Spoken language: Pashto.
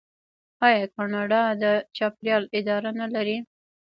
آیا کاناډا د چاپیریال اداره نلري؟